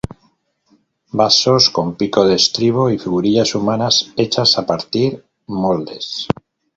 Vasos con pico de estribo y figurillas humanas hechas a partir moldes.